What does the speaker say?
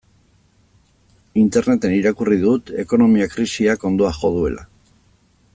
Interneten irakurri dut ekonomia krisiak hondoa jo duela.